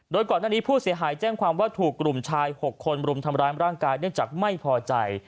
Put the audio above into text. โดยก่อนหน้านี้ผู้เสียหายแจ้งความว่าถูกกลุ่มชาย๖คนรุมทำร้ายร่างกายเนื่องจากไม่พอใจ